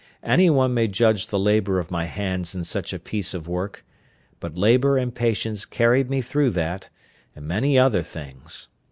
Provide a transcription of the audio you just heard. Any one may judge the labour of my hands in such a piece of work; but labour and patience carried me through that, and many other things.